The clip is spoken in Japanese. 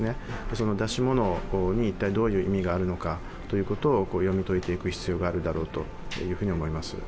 その出し物に一体どういう意味があるのかを読み解いていく必要があるだろうというふうに思います。